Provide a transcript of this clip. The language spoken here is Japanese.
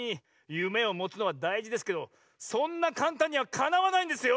夢をもつのはだいじですけどそんなかんたんにはかなわないんですよ！